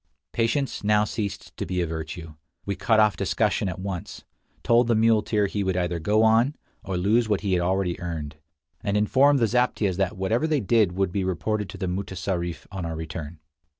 Patience now ceased to be a virtue. We cut off discussion at once; told the muleteer he would either go on, or lose what he had already earned; and informed the zaptiehs that whatever they did would be reported to the mutessarif on our return.